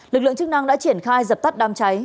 lực lượng chức năng đã triển khai dập tắt đám cháy